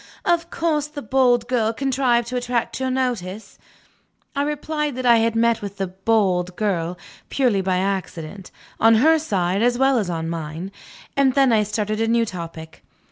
"Of course that bold girl contrived to attract your notice?" I replied that I had met with the "bold girl" purely by accident, on her side as well as on mine; and then I started a new topic.